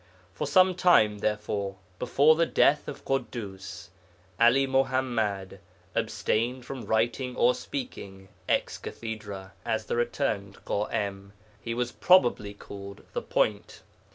For some time, therefore, before the death of Ḳuddus, 'Ali Muḥammad abstained from writing or speaking ex cathedra, as the returned Ḳa'im; he was probably called 'the Point.'